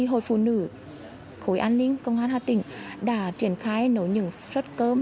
hội phụ nữ khối an ninh công an hà tỉnh đã triển khai nấu những suất cơm